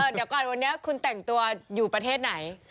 เดี๋ยวก่อนวันนี้คุณแต่งตัวอยู่ประเทศไหน